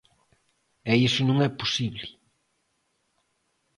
E iso non é posible.